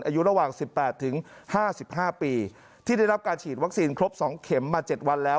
อายุระหว่าง๑๘๕๕ปีที่ได้รับการฉีดวัคซีนครบ๒เข็มมา๗วันแล้ว